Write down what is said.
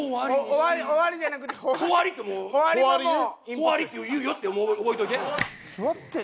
「ほわり」って言うよって覚えといて。